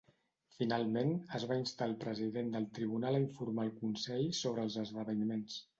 Finalment, es va instar al president del Tribunal a informar el Consell sobre els esdeveniments.